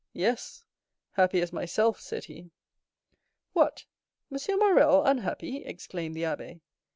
"Yes, happy as myself," said he. "What! M. Morrel unhappy?" exclaimed the abbé.